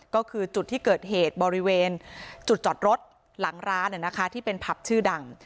ก็คือจุดที่เกิดเหตุบริเวณจุดจอดรถหลังร้านที่เป็นผับชื่อดัง